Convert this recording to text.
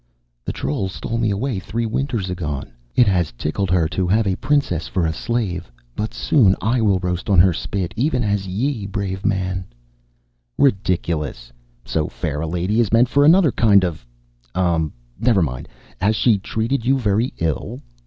"The troll stole me away three winters agone. It has tickled her to have a princess for slave but soon I will roast on her spit, even as ye, brave man " "Ridiculous. So fair a lady is meant for another kind of, um, never mind! Has she treated you very ill?"